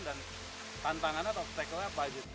dan tantangan atau obstacle nya apa aja